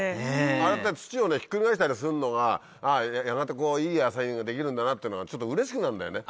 ああやって土をひっくり返したりするのがやがていい野菜が出来るんだなってのはちょっとうれしくなるんだよね。